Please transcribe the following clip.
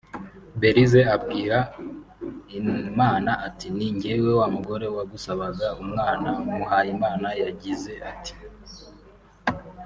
Belise abwira Imana ati “Ni njyewe wa mugore wagusabaga umwana” Muhayimana yagize ati